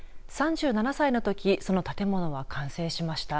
３７歳のときその建物は完成しました。